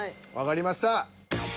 わかりました。